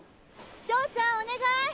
翔ちゃんお願い！